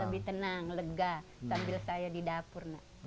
lebih tenang lega sambil saya di dapur nak